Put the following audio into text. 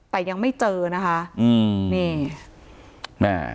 แต่ยังไม่เจอนะคะ